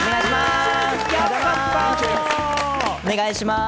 お願いします！